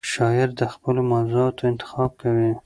شاعر د خپلو موضوعاتو انتخاب کوي.